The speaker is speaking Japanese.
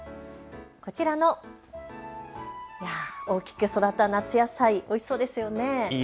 こちらの大きく育った夏野菜、おいしそうですよね。